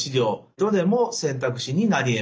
どれも選択肢になりえます。